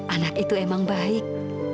anak itu emang baik